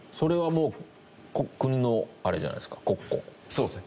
そうです。